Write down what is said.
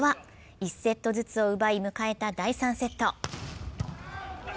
１セットずつを奪い迎えた第３セット。